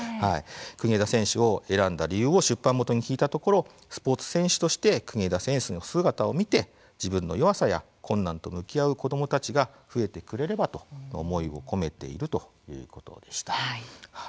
国枝選手を選んだ理由を出版元に聞いたところスポーツ選手として国枝選手の姿を見て自分の弱さや困難と向き合う子どもたちが増えてくれればとの思いを込めているということでした。